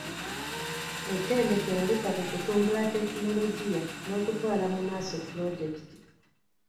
Ettendekero lifa ku kutumbula tekinologiya n'okutwala mu maaso pulojekiti.